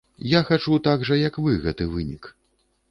Я хачу так жа, як вы, гэты вынік.